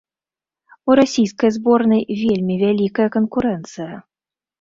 У расійскай зборнай вельмі вялікая канкурэнцыя.